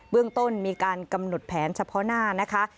เรื่องต้นมีการกำหนดแผนเฉพาะหน้านะคะ